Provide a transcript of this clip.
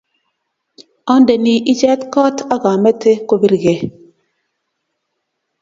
andeni ichet kot akamete kobirgei